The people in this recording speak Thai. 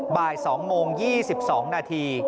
บ่าย๒โมง๒๒นาที